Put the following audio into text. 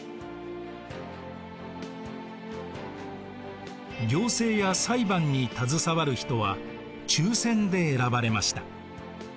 アテネでは行政や裁判に携わる人は抽選で選ばれました。